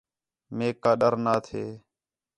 میک کا ڈر نا تھے